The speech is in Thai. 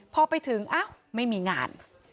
พอไปถึงไม่มีงาน